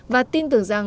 và tin tưởng rằng